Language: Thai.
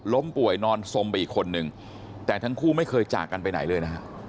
ป่วยนอนสมไปอีกคนนึงแต่ทั้งคู่ไม่เคยจากกันไปไหนเลยนะฮะ